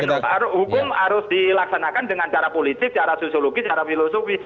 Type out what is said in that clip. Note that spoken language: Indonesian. hukum harus dilaksanakan dengan cara politik cara sosiologis cara filosofi